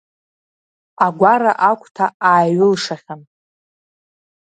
Агәара агәҭа ааиҩылшахьан!